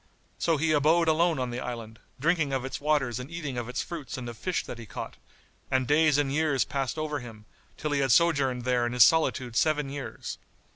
So he abode alone on the island, drinking of its waters and eating of its fruits and of fish that he caught, and days and years passed over him, till he had sojourned there in his solitude seven years.